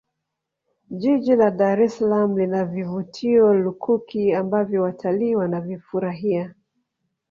jiji la dar es salaam lina vivutio lukuki ambavyo watalii Wanavifurahia